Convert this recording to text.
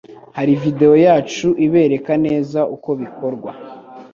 hari video yacu ibereka neza uko bikorwa